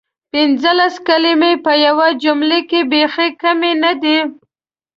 پنځلس کلمې په یوې جملې کې بیخې کمې ندي؟!